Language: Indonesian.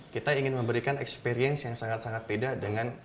kita ingin memberikan pengalaman yang sangat berbeda